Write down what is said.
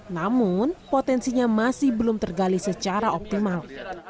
namun potensinya masih belum tergali secara optimal